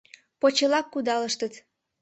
Почелак кудалыштыт.